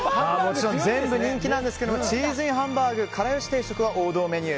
全部人気なんですけどチーズＩＮハンバーグから好し定食は王道メニュー。